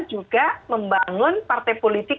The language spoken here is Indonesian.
juga membangun partai politik